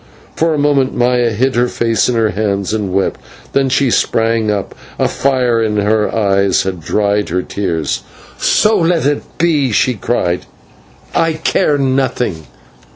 For a moment Maya hid her face in her hands and wept; then she sprang up, and a fire in her eyes had dried her tears. "So let it be," she cried, "I care nothing.